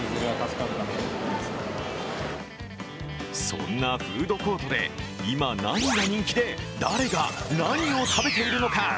そんなフードコートで今、何が人気で誰が、何を食べているのか？